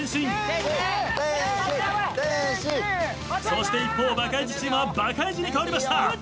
そして一方バカイジチームはバカイジに代わりました。